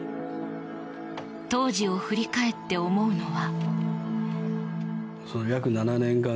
当時を振り返って思うのは。